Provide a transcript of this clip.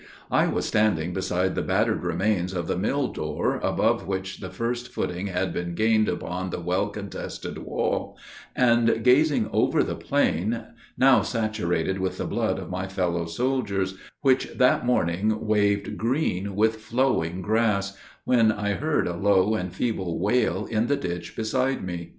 I was standing beside the battered remains of the mill door, above which the first footing had been gained upon the well contested wall, and gazing over the plain, now saturated with the blood of my fellow soldiers, which that morning waved green with flowing grass, when I heard a low and feeble wail in the ditch beside me.